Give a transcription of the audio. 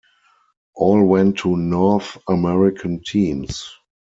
All went to North American teams.